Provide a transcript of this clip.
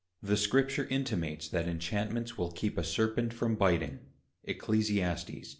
The Scripture intimates that Inchantments will keep a Serpent from biting, _Eccles.